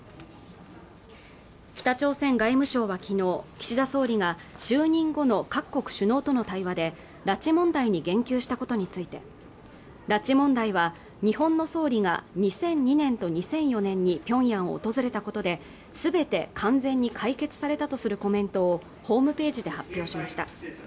北朝鮮外務省はきのう岸田総理が就任後の各国首脳との対話で拉致問題に言及したことについて拉致問題は日本の総理が２００２年と２００４年にピョンヤンを訪れたことですべて完全に解決されたとするコメントをホームページで発表しました